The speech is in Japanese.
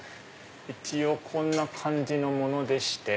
一応こんな感じのものでして。